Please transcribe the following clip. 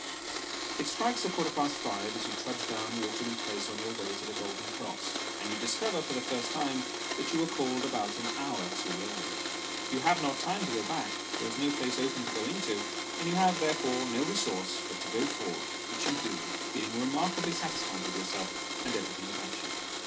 It strikes a quarter past five as you trudge down Waterloo Place on your way to the Golden Cross, and you discover, for the first time, loo Sketches by Boz. that you were called about an hour too early. You have not time to go back ; there is no place open to go into, and you have, therefore, no resource but to go forward, which you do, feeling remarkably satisfied with yourself, and everything about you.